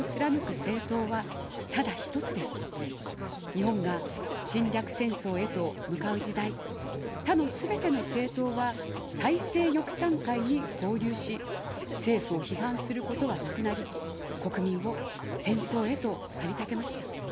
日本が侵略戦争へと向かう時代、他のすべての政党は大政翼賛会に合流し、政府を批判することはなくなり、国民を戦争へと駆り立てました。